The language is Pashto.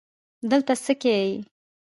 دلته څه که یې